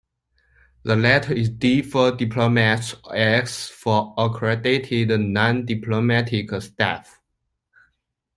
The letter is D for diplomats or X for accredited non-diplomatic staff.